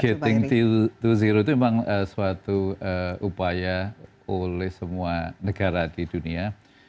getting to zero itu memang suatu upaya oleh semua negara di dunia